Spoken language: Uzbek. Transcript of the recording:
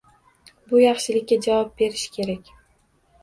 Bu yaxshilikka javob berish kerak.